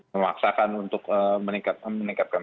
memaksakan untuk meningkatkan